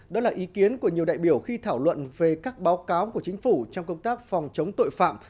đó là ý kiến của nhiều đại biểu khi thảo luận về các báo cáo của chính phủ trong công tác phòng chống tội phạm